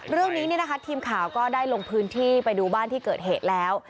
เรื่องนี้ทีมข่าวก็ได้ลงพื้นที่ไปดูบ้านที่เกิดเหตุแล้ว